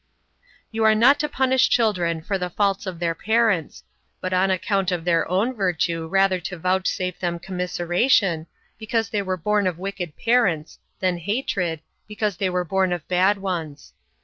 39. You are not to punish children for the faults of their parents, but on account of their own virtue rather to vouchsafe them commiseration, because they were born of wicked parents, than hatred, because they were born of bad ones.